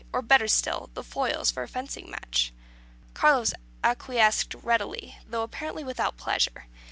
Or, better still, the foils for a fencing match." Carlos acquiesced readily, though apparently without pleasure.